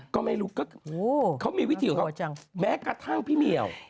ก็ไม่รู้ก็คือเขามีวิธีของเขาแม้กระทั่งพี่เหมียว